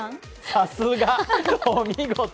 さすが、お見事。